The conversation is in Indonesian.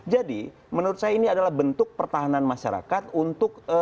jadi menurut saya ini adalah bentuk pertahanan masyarakat untuk